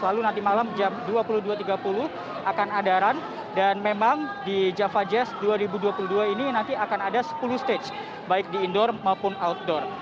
lalu nanti malam jam dua puluh dua tiga puluh akan ada run dan memang di java jazz dua ribu dua puluh dua ini nanti akan ada sepuluh stage baik di indoor maupun outdoor